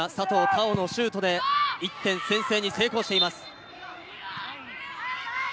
旺のシュートで１点先制に成功しています。